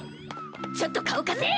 ちょっと顔貸せい！